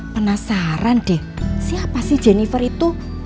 penasaran deh siapa sih jennifer itu